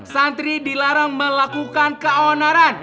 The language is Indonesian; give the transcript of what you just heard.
santri dilarang melakukan keonoran